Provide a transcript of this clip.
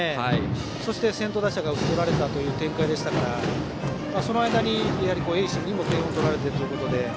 そして先頭打者が打ち取られた展開でしたからその間に盈進にも点を取られてということで。